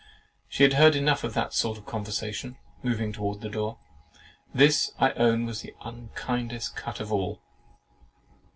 "She had heard enough of that sort of conversation," (moving towards the door). This, I own, was the unkindest cut of all.